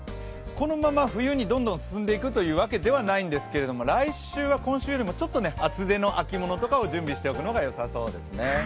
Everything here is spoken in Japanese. このまま冬にどんどん進んでいくというわけではないんですが来週は今週よりもちょっと厚手の秋物とかを準備しておくのが良さそうですね。